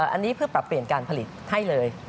อันนี้เพื่อปรับเปลี่ยนการผลิตให้เลย